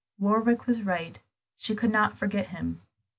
Warwick was right, she could not forget him.